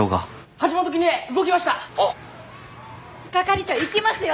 係長行きますよ。